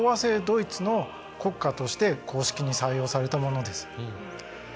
ドイツの国歌として公式に採用されたものです。